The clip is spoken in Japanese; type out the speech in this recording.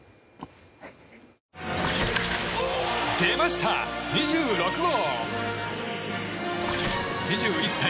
出ました、２６号！